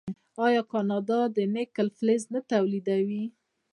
آیا کاناډا د نکل فلز نه تولیدوي؟